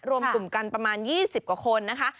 รวมกลุ่มกันประมาณ๒๐กว่าคนนะคะ